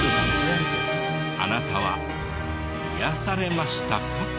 あなたは癒やされましたか？